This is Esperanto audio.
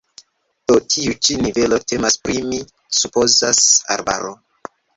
Do ĉi tiu nivelo temas pri, mi supozas, arbaro.